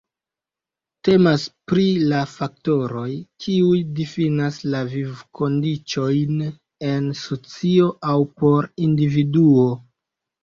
Temas pri la faktoroj, kiuj difinas la vivkondiĉojn en socio aŭ por individuo.